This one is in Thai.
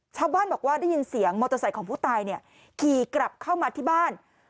ชาวบ้านบอกว่าได้ยินเสียงมอเตอร์ไซค์ของผู้ตายเนี่ยขี่กลับเข้ามาที่บ้าน